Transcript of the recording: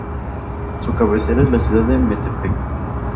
Su cabecera es la ciudad de Metepec.